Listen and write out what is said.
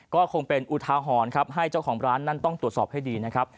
ก็คงเป็นอุทาหรณ์ครับให้เจ้าของร้านนั้นต้องตรวจสอบให้ดีนะครับ